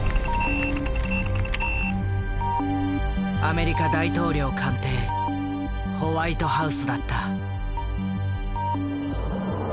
アメリカ大統領官邸ホワイトハウスだった。